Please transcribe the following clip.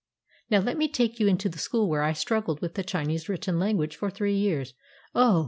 Now let me take you into the school where I struggled with the Chinese written language for three years. Oh